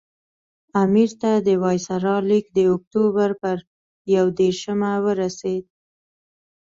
امیر ته د وایسرا لیک د اکټوبر پر یو دېرشمه ورسېد.